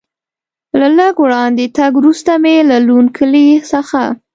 له لږ وړاندې تګ وروسته مې له لوند کلي څخه.